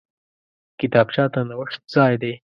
کتابچه د نوښت ځای دی